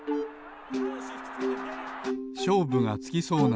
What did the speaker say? しょうぶがつきそうな